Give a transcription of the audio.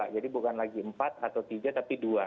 jadi bukan lagi empat atau tiga tapi dua